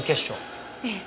ええ。